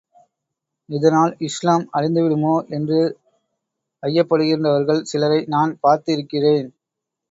இதனால் இஸ்லாம் அழிந்துவிடுமோ என்று ஐயப்படுகின்றவர்கள் சிலரை நான் பார்த்து இருக்கிறேன்.